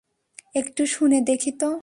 একটু শুনে দেখি তো!